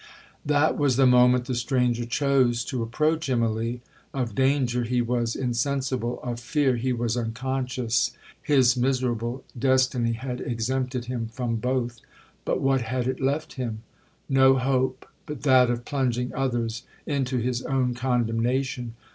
'That was the moment the stranger chose to approach Immalee; of danger he was insensible, of fear he was unconscious; his miserable destiny had exempted him from both, but what had it left him? No hope—but that of plunging others into his own condemnation.